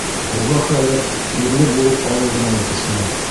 Уға хәҙер ирле булып алыу ғына етешмәй.